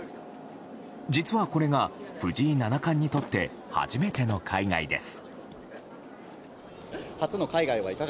実はこれが藤井七冠にとって初めての海外です。